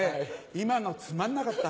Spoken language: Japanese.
今のつまんなかった。